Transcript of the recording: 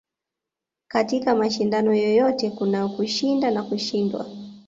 katika mashindano yoyote kuna kushinda na kushindwa